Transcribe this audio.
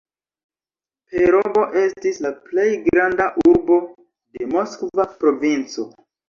Perovo estis la plej granda urbo de Moskva provinco.